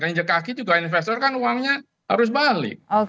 tenjek kaki juga investor kan uangnya harus balik